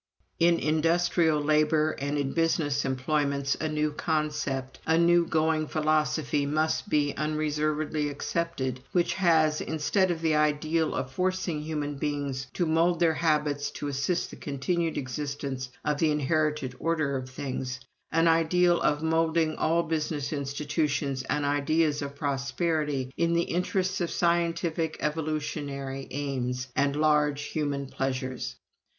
"In industrial labor and in business employments a new concept, a new going philosophy must be unreservedly accepted, which has, instead of the ideal of forcing the human beings to mould their habits to assist the continued existence of the inherited order of things, an ideal of moulding all business institutions and ideas of prosperity in the interests of scientific evolutionary aims and large human pleasures.